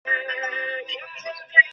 আমি দেরি হয়, শোনো, পূর্না।